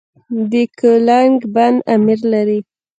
د یکاولنګ بند امیر لري